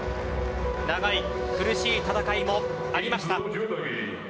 長い苦しい戦いもありました。